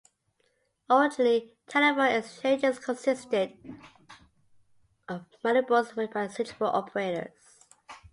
Originally, telephone exchanges consisted of manual boards operated by switchboard operators.